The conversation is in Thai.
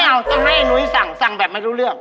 เราต้องให้นุ้ยสั่งสั่งแบบไม่รู้เรื่อง